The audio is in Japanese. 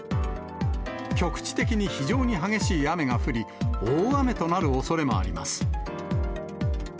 局地的に非常に激しい雨が降り、大雨となるおそれもあります。